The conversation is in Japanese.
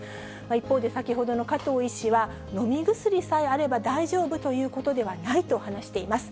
一方で、先ほどの加藤医師は、飲み薬さえあれば大丈夫ということではないと話しています。